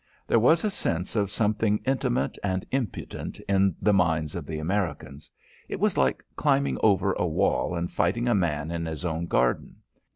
There was a sense of something intimate and impudent in the minds of the Americans. It was like climbing over a wall and fighting a man in his own garden.